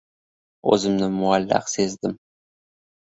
O‘zimni muallaq sezdim.